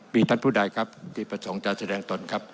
มีท่านผู้ใดครับที่ประสงค์จะแสดงตนครับ